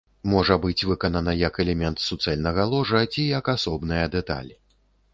Можа быць выканана як элемент суцэльнага ложа ці як асобная дэталь.